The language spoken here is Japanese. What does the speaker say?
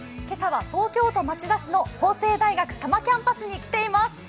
今朝は東京都町田市の法政大学多摩キャンパスに来ています。